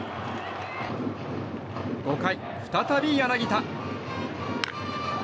５回、再び柳田。